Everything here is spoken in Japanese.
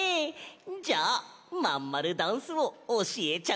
じゃあまんまるダンスをおしえちゃうぞ。